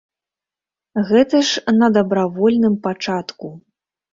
Гэта ж на дабравольным пачатку.